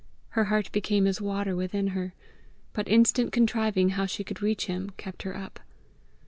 Her heart became as water within her. But instant contriving how she could reach him, kept her up.